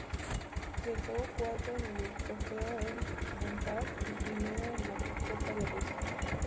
Quedó cuarto en el Trofeo Éric Bompard y primero en la Copa de Rusia.